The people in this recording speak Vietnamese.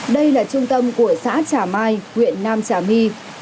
đây là trung tâm của xã trà mai huyện nam trà my